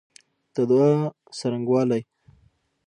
د دعا څرنګوالی